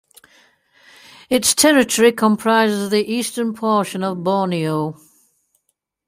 Its territory comprises the eastern portion of Borneo.